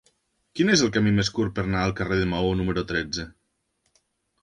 Quin és el camí més curt per anar al carrer de Maó número tretze?